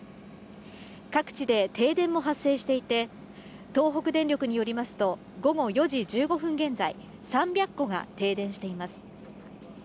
各地で停電も発生していて、東北電力によりますと、午後４時１５分現在、３００戸が停電しています。